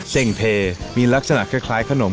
เส็งเพมีลักษณะคล้ายขนมขะเหนียวแดง